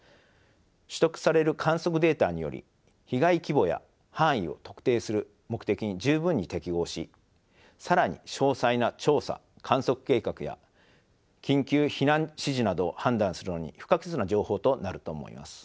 取得される観測データにより被害規模や範囲を特定する目的に十分に適合し更に詳細な調査・観測計画や緊急避難指示などを判断するのに不可欠な情報となると思います。